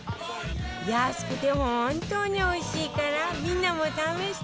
安くて本当においしいからみんなも試してみて